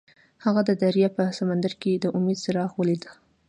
هغه د دریاب په سمندر کې د امید څراغ ولید.